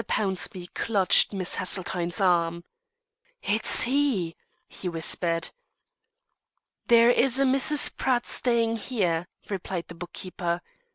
Pownceby clutched Miss Haseltine's arm. "It's he!" he whispered. "There is a Mrs. Pratt staying here," replied the book keeper.